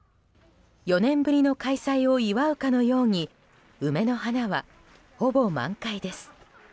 ４年ぶりの開催を祝うかのように梅の花は、ほぼ満開です。